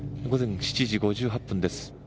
午前７時５８分です。